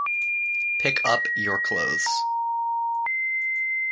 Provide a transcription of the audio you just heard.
Pick up your clothes.